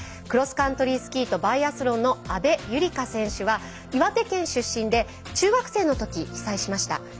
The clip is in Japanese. クロスカントリースキーとバイアスロンの阿部友里香選手は岩手県出身で中学生のとき被災しました。